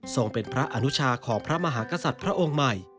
เป็นพระอนุชาของพระมหากษัตริย์พระองค์ใหม่